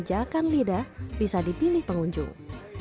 sehingga akan lidah bisa dipilih pengunjung